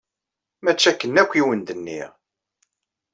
Mačči akken akk i wen-d-nniɣ!